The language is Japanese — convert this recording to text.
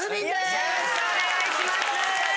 よろしくお願いします。